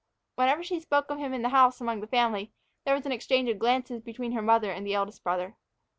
Whenever she spoke of him in the house among the family, there was an exchange of glances between her mother and the eldest brother.